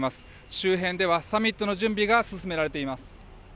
周辺ではサミットの準備が進められています。